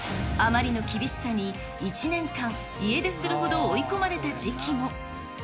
あまりの厳しさに、１年間、家出するほど追い込まれた時期も。